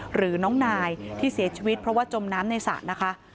หรือน้องนายที่เสียชีวิตเพราะว่าจมน้ำในสระนะคะ